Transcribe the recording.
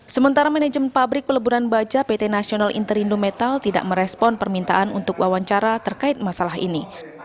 sementara manajemen pabrik peleburan baja pt nasional interindo metal tidak merespon permintaan untuk wawancara terkait masalah ini